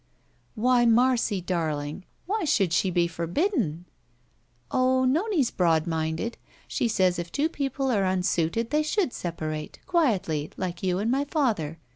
"Why, Marcy darling, why should she be for bidden?" "Oh, Nome's broadminded. She says if two people are unsuited they should separate, quietly, like you and my father.